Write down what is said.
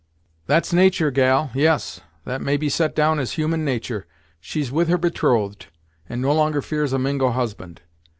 "That's natur' gal; yes, that may be set down as human natur'. She's with her betrothed, and no longer fears a Mingo husband.